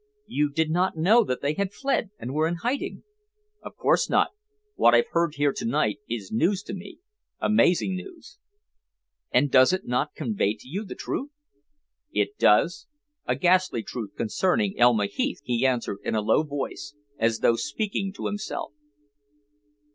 "You did not know that they had fled, and were in hiding?" "Of course not. What I've heard to night is news to me amazing news." "And does it not convey to you the truth?" "It does a ghastly truth concerning Elma Heath," he answered in a low voice, as though speaking to himself.